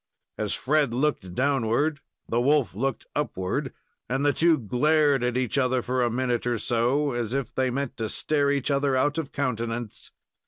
As Fred looked downward the wolf looked upward, and the two glared at each other for a minute or so, as if they meant to stare each other out of countenance.